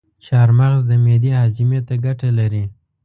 چارمغز د معدې هاضمي ته ګټه لري.